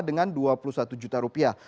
dengan dua puluh satu juta rupiah